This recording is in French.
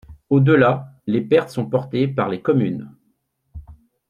Au-delà, les pertes sont portées par les communes.